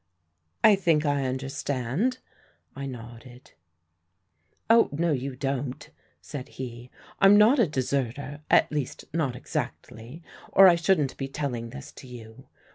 "I think I understand," I nodded. "Oh no, you don't," said he. "I'm not a deserter at least not exactly or I shouldn't be telling this to you.